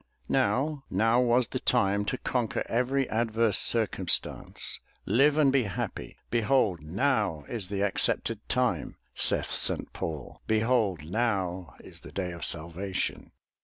Now, now was the time to conquer every adverse circumstance, live and be happy. "Behold, now is the accepted time," saith St. Paul, "Behold, now is the day of salvation.''